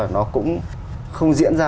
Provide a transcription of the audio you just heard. nó cũng không diễn ra